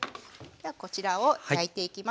じゃあこちらを焼いていきます。